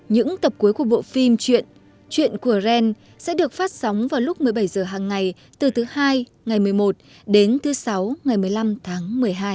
những tập cuối của bộ phim chuyện chuyện của ren sẽ được phát sóng vào lúc một mươi bảy h hàng ngày từ thứ hai ngày một mươi một đến thứ sáu ngày một mươi năm tháng một mươi hai